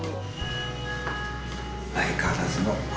相変わらずの。